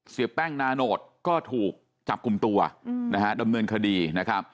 เสียแป้งนาโนตก็ถูกจับกลุ่มตัวนะฮะดำเนินคดีนะครับ